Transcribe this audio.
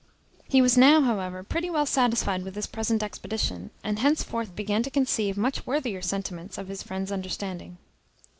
He was now, however, pretty well satisfied with his present expedition, and henceforth began to conceive much worthier sentiments of his friend's understanding.